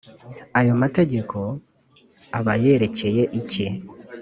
ayo mategeko abayerekeye iki